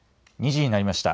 ２時になりました。